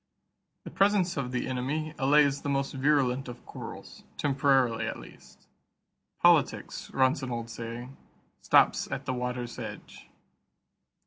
The presence of the enemy allays the most virulent of quarrels, temporarily at least. "Politics," runs an old saying, "stops at the water's edge."